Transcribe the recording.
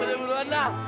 udah buruan lah